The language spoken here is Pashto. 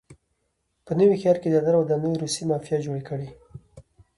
په نوي ښار کې زیاتره ودانۍ روسیې مافیا جوړې کړي.